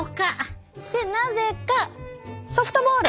でなぜかソフトボール！